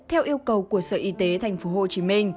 theo yêu cầu của sở y tế tp hcm